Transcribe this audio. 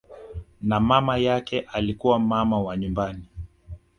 Na mama yake alikuwa mama wa nyumbani